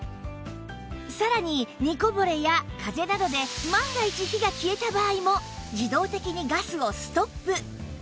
さらに煮こぼれや風などで万が一火が消えた場合も自動的にガスをストップ